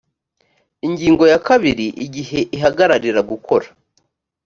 ingingo ya kabiri igihe ihamagarira gukora